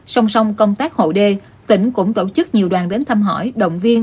song song công tác hộ đê tỉnh cũng tổ chức nhiều đoàn đến thăm hỏi động viên